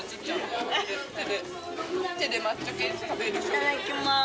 いただきます。